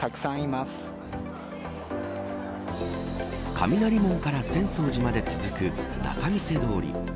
雷門から浅草寺まで続く仲見世通り。